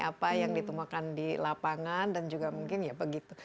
apa yang ditemukan di lapangan dan juga mungkin ya begitu